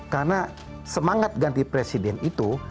karena semangat ganti presiden itu